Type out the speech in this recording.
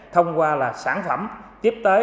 thông qua sản phẩm tiếp tế